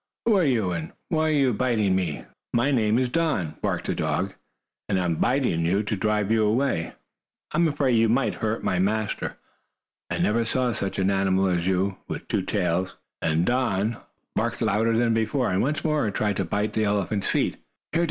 "Who are you, and what are you biting me for?" "My name is Don," barked the dog, "and I am biting you to drive you away. I am afraid you might hurt my master. I never saw such an animal as you, with two tails. Go away!" and Don barked louder than before, and once more tried to bite the elephant's feet. "Here, Don!